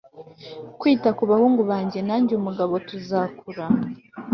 kwita ku bahungu banjye, nanjye, umugabo, tuzakura